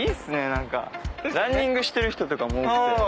何かランニングしてる人とかも多くて。